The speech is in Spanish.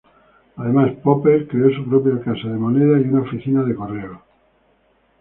Además Popper creó su propia Casa de Moneda y una oficina de correos.